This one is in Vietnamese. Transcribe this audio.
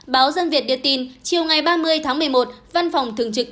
báo dân việt đưa tin chiều ngày ba mươi tháng một mươi một